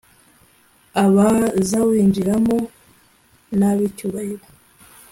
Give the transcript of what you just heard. Abazawinjiramo N Ab Icyubahiro